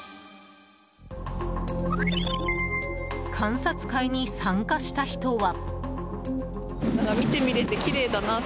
観察会に参加した人は。